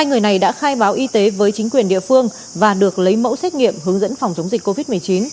hai người này đã khai báo y tế với chính quyền địa phương và được lấy mẫu xét nghiệm hướng dẫn phòng chống dịch covid một mươi chín